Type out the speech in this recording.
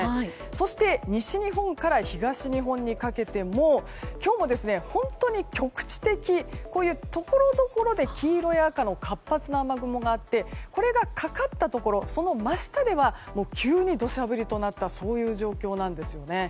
そして、西日本から東日本にかけても今日も本当に局地的ところどころで黄色や赤の活発な雨雲があってこれがかかったところその真下では急に土砂降りとなった状況なんですね。